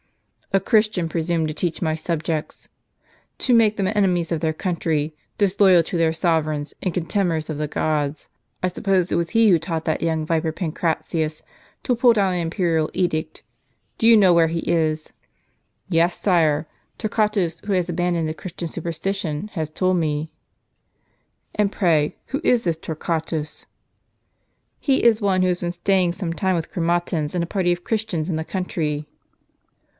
" A Christian presume to teach my subjects, to make them enemies of their country, disloyal to their sovereigns, and con temners of the gods ! I suppose it was he who taught that young viper Pancratius to pull down our iniperial edict. Do you know where he is? " "Tes, sire; Torquatus, who has abandoned the Christian superstition, has told me." " And pray who is this Torquatus ?" "He is one who has been staying some time with Chro matins and a party of Christians in the country."